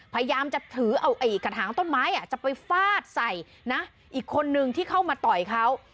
พยายามจะถือเอาไอ้กระถางต้นไม้จะไปฟาดใส่นะอีกคนนึงที่เข้ามาต่อยเขา